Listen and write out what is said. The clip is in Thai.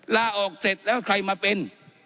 ลาออกเสร็จแล้วใครมาเป็น